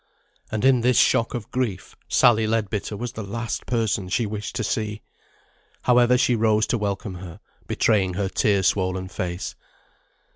And in this shock of grief, Sally Leadbitter was the last person she wished to see. However, she rose to welcome her, betraying her tear swollen face.